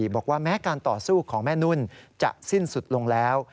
บอกว่าแม้การต่อสู้ของแม่นุ่นจะสิ้นสุดลงแล้ว